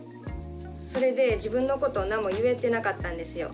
それで自分のことを何も言えてなかったんですよ。